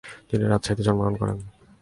তিনি রাজশাহীতে জন্মগ্রহণ করেন।